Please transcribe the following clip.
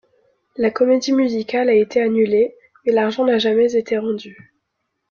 La comédie musicale a été annulée, mais l'argent n'a jamais été rendu.